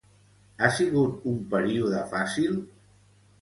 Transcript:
Ha sigut un període fàcil?